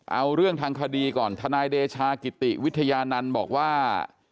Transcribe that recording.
เอาเรื่องทางคดีก่อนทนายเดชากิติวิทยานันต์บอกว่า